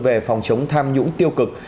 về phòng chống tham nhũng tiêu cực